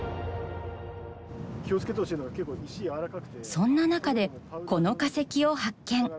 そんな中でこの化石を発見。